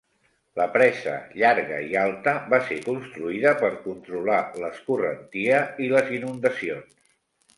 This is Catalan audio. La presa, llarga i alta, va ser construïda per controlar l'escorrentia i les inundacions.